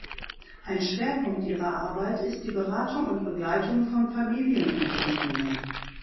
Ein Schwerpunkt ihrer Arbeit ist die Beratung und Begleitung von Familienunternehmen.